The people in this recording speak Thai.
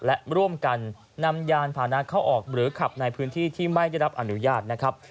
และร่วมกันนำยานพานะเข้าออกหรือขับในพื้นที่ที่ไม่ได้รับอนุญาตนะครับ